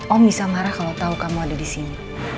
om bisa marah kalau tau kamu ada disini